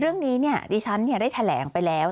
เรื่องนี้ดิฉันได้แถลงไปแล้ว